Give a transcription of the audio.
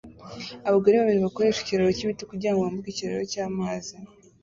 Abagore babiri bakoresha ikiraro cyibiti kugirango bambuke inzira y'amazi